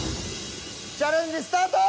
チャレンジスタート！